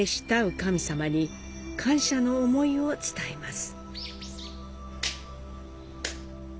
神様に感謝の思いを伝えます。